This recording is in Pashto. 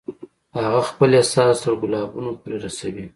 هغه خپل احساس تر ګلابونو پورې رسوي